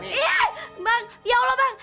iya bang ya allah bang